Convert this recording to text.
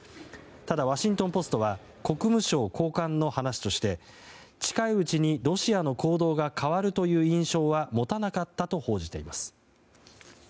ただワシントン・ポストは国務省高官の話として近いうちにロシアの行動が変わるという印象は持たなかったと報じています。